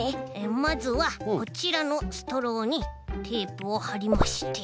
まずはこちらのストローにテープをはりまして。